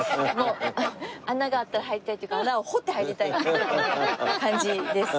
穴があったら入りたいというか穴を掘って入りたい感じです。